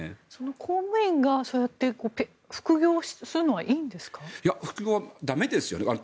公務員がそうやって副業するのは副業、駄目ですよね。